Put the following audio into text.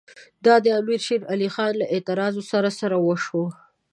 دا د امیر شېر علي خان له اعتراضونو سره سره وشوه.